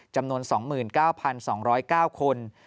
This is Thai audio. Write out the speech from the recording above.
จำนวน๒๙๒๐๙คน